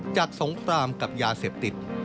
สงครามกับยาเสพติด